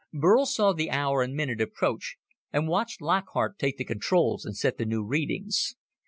Burl saw the hour and minute approach and watched Lockhart take the controls and set the new readings.